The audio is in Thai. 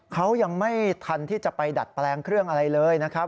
เขายังไม่ทันที่จะไปดัดแปลงเครื่องอะไรเลยนะครับ